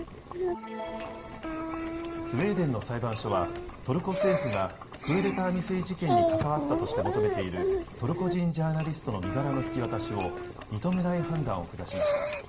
スウェーデンの裁判所はトルコ政府がクーデター未遂事件に関わったとして求めているトルコ人ジャーナリストの身柄の引き渡しを認めない判断を下しました。